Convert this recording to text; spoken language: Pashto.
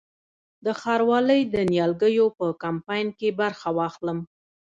د ښاروالۍ د نیالګیو په کمپاین کې برخه واخلم؟